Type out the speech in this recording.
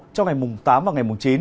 trong ngày tám và ngày chín